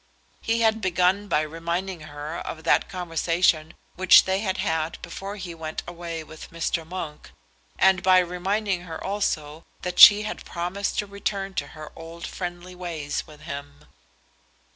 He had begun by reminding her of that conversation which they had had before he went away with Mr. Monk, and by reminding her also that she had promised to return to her old friendly ways with him.